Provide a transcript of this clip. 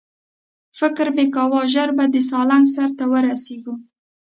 فکر مې کاوه ژر به د سالنګ سر ته ورسېږو.